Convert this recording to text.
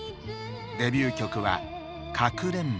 デビュー曲は「かくれんぼ」。